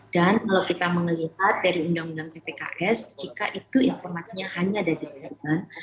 dan kalau kita melihat dari undang undang ppks jika itu informasinya hanya ada di depan